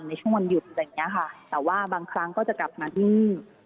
ในช่วงวันหยุดแบบนี้ค่ะแต่ว่าบางครั้งก็จะกลับมาที่